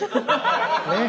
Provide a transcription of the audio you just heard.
ねえ。